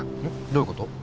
どういうこと？